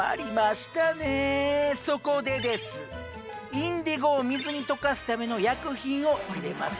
インディゴを水に溶かすための薬品を入れます。